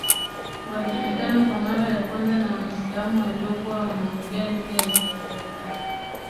walikutana kwa mara ya kwanza na Waislamu waliokuwa wanaongea lugha ya Kiarabu